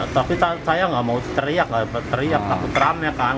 tapi saya nggak mau teriak aku teramekan